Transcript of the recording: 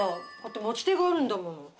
持ち手があるんだもん。